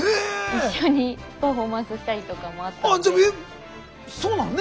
一緒にパフォーマンスしたりとかもあったので。